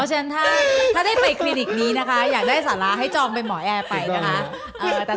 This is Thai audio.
ฉะนั้นถ้าได้ไปคลินิกนี้นะคะอยากได้สาระให้จองเป็นหมอแอร์ไปนะคะ